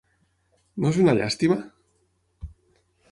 No és una llàstima?